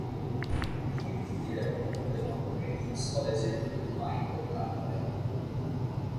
তিনি বৃত্তি ব্যবহার করে লন্ডনের কিংস কলেজের উন্নত আইন অধ্যয়ন করেন।